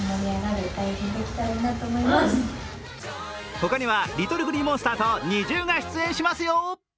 他にはＬｉｔｔｌｅＧｌｅｅＭｏｎｓｔｅｒとＮｉｚｉＵが出演しますよ。